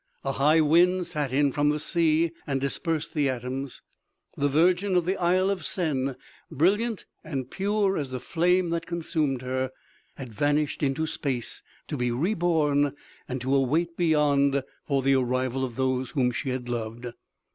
A high wind sat in from the sea and dispersed the atoms. The virgin of the Isle of Sen, brilliant and pure as the flame that consumed her, had vanished into space to be re born and to await beyond for the arrival of those whom she had loved.